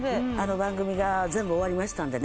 番組が全部終わりましたんでね